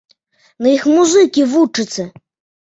На іх музыкі вучацца!